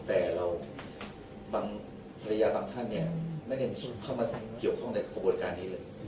แต่เราบางภรรยาบางท่านเนี่ยไม่ได้มีเข้ามาเกี่ยวข้องในขบวนการนี้เลย